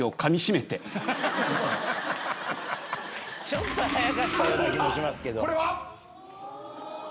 ちょっと早かったような気もしますけど。